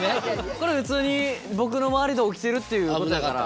これ普通に僕の周りで起きてるっていうことやから。